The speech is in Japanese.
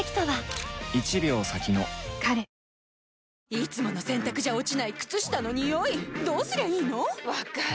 いつもの洗たくじゃ落ちない靴下のニオイどうすりゃいいの⁉分かる。